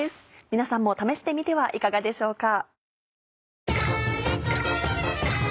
皆さんも試してみてはいかがでしょうか。